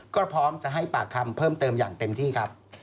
ก็พร้อมจะให้ปากคำเพิ่มเติมอย่างเต็มที่ครับ